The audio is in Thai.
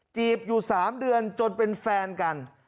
บอยู่๓เดือนจนเป็นแฟนกัน